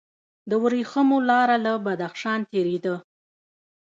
د ورېښمو لاره له بدخشان تیریده